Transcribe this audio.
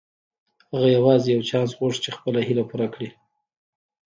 هغه يوازې يو چانس غوښت چې خپله هيله پوره کړي.